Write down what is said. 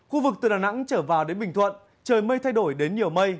khu vực từ đà nẵng trở vào đến bình thuận trời mây thay đổi đến nhiều mây